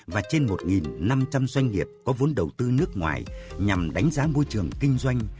và trên một năm trăm linh doanh nghiệp có vốn đầu tư nước ngoài nhằm đánh giá môi trường kinh doanh